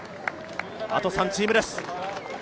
あと３チームです。